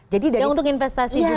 ya untuk investasi juga ya